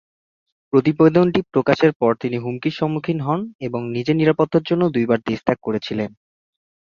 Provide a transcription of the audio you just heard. প্রতিবেদনটি প্রকাশের পর তিনি হুমকির সম্মুখীন হন এবং নিজের নিরাপত্তার জন্য দুইবার দেশত্যাগ করেছিলেন।